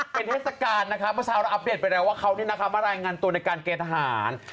เป็นเทศกาลนะคะเมื่อเช้าเราอัปเดตไปแล้วว่าเขามารายงานตัวในการเกณฑ์ทหาร